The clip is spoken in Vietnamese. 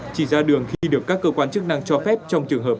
chỉ ra đường khi được các cơ quan chức năng cho phép